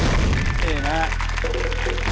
เท่นะฮะ